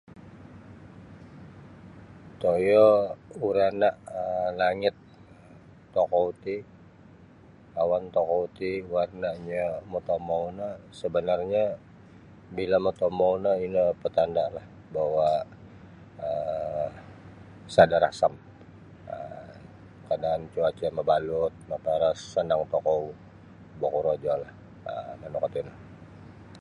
Toyo warana um langit tokou ti awan tokou ti warnanyo motomou no sebenarnyo bila motomou no ino patandalah bahawa um sada rasam um kaadaan cuaca mabalut maparas sanang tokou bokorojolah um ino kuo tino.